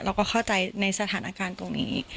เราก็เข้าใจในสถานการณ์ตรงนี้